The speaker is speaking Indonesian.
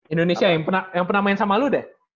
indonesia yang pernah main sama lu deh